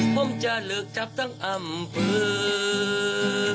ผมจะเลิกจับทั้งอำเภอ